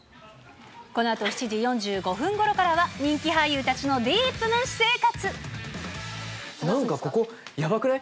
このあと７時４５分ごろからは、人気俳優たちのディープな私生活。